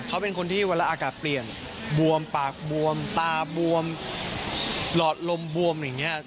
เขาเป็นคนที่เวลาอากาศเปลี่ยนบวมปากบวมตาบวมหลอดลมบวมอย่างนี้